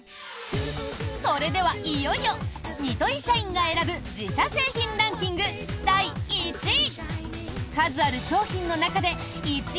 それでは、いよいよニトリ社員が選ぶ自社製品ランキング第１位。